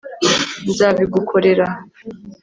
Nzabigukorera